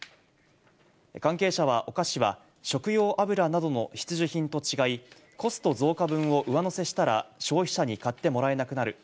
関係者は、お菓子は食用油などの必需品と違い、コスト増加分を上乗せしたら消費者に買ってもらえなくなる。